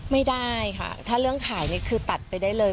ไม่ได้ค่ะถ้าเรื่องขายนี่คือตัดไปได้เลย